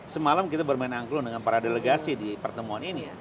semalam kita bermain angklung dengan para delegasi di pertemuan ini ya